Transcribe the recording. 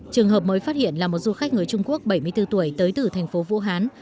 trường hợp mới phát hiện là một du khách người trung quốc bảy mươi bốn tuổi tới từ thành phố vũ hán